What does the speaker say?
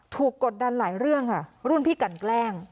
กดดันหลายเรื่องค่ะรุ่นพี่กันแกล้ง